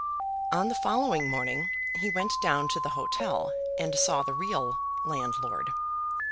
On the following morning he went down to the hotel, and saw the real landlord.